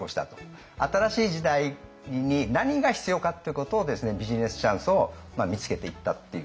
新しい時代に何が必要かっていうことをビジネスチャンスを見つけていったっていうね。